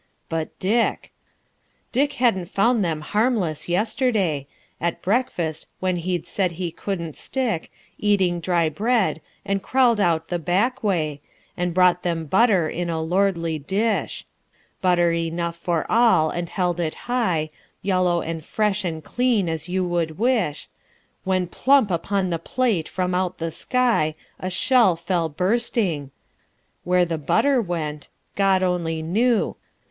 But Dick Dick hadn't found them harmless yesterday, At breakfast, when he'd said he couldn't stick Eating dry bread, and crawled out the back way, And brought them butter in a lordly dish Butter enough for all, and held it high, Yellow and fresh and clean as you would wish When plump upon the plate from out the sky A shell fell bursting.... Where the butter went, God only knew!...